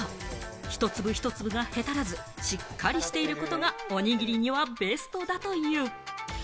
一粒一粒がへたらず、しっかりしていることがおにぎりにはベストだという。